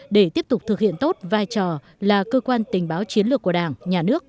để tiếp tục thực hiện tốt vai trò là cơ quan tình báo chiến lược của đảng nhà nước